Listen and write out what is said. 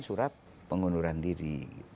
surat pengunduran diri